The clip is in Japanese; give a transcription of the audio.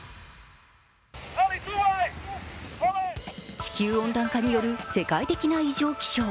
地球温暖化による世界的な異常気象。